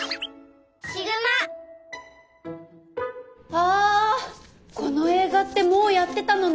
あこの映画ってもうやってたのね。